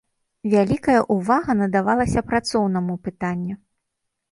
Вялікая ўвага надавалася працоўнаму пытанню.